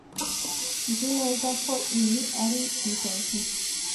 Nzi neza ko iyi ari inzozi.